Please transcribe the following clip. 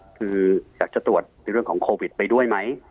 คืออยากจะตรวจในเรื่องของโควิดไปด้วยไหม